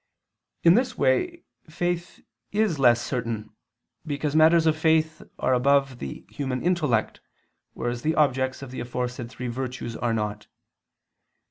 In this way, faith is less certain, because matters of faith are above the human intellect, whereas the objects of the aforesaid three virtues are not.